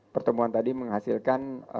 pertemuan tadi menghasilkan